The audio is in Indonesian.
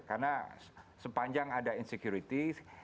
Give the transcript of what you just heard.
karena sepanjang ada insecurity